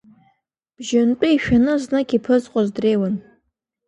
Бжьынтәы ишәаны знык иԥызҟоз дреиуан.